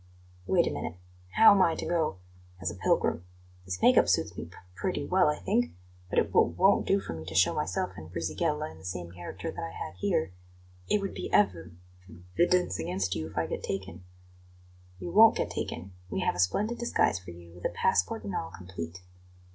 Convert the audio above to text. "Wait a minute. How am I to go as a pilgrim? This make up suits me p pretty well, I think; but it w won't do for me to show myself in Brisighella in the same character that I had here; it would be ev v vidence against you if I get taken." "You won't get taken; we have a splendid disguise for you, with a passport and all complete."